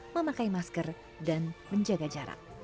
memakai masker dan menjaga jarak